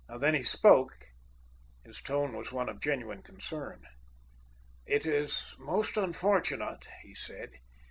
When he spoke, his tone was one of genuine concern. "It is most unfortunate," he said.